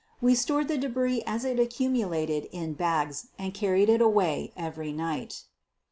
We stored the debris as it accumulated in bags and carried it away every night.